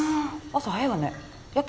朝早いわね夜勤？